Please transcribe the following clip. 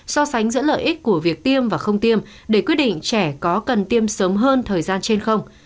so sánh giữa lợi ích của việc tiêm và không tiêm để quyết định trẻ có cần tiêm sớm hơn thời gian trên không